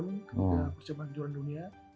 kemudian persiapan kejuaraan dunia